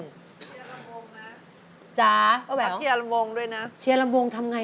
เชียร์ลำวงนะจ้าว่าแบบว่าเชียร์ลำวงด้วยนะเชียร์ลำวงทำไงนะ